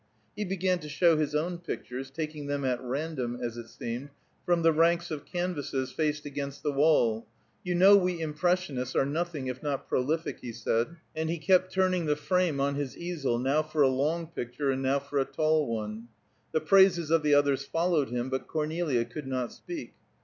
He began to show his own pictures, taking them at random, as it seemed, from the ranks of canvasses faced against the wall. "You know we impressionists are nothing if not prolific," he said, and he kept turning the frame on his easel, now for a long picture, and now for a tall one. The praises of the others followed him, but Cornelia could not speak.